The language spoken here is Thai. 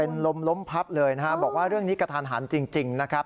เป็นลมล้มพับเลยนะฮะบอกว่าเรื่องนี้กระทันหันจริงนะครับ